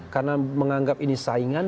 karena menganggap ini saingan